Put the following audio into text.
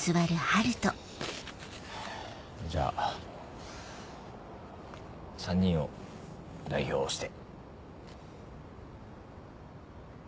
じゃあ３人を代表して。